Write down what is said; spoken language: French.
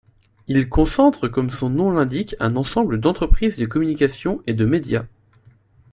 Il concentre comme son nom l'indique un ensemble d'entreprises de communication et de médias.